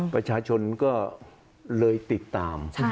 ประชาชนก็เลยติดตาม